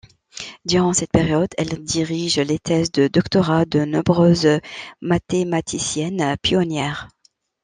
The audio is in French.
Durant cette période elle dirige les thèses de doctorat de nombreuses mathématiciennes pionnières.